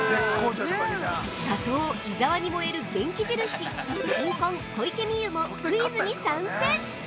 ◆打倒・伊沢に燃える元気印新婚・小池美由もクイズに参戦！